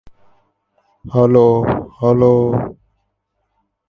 Or every month.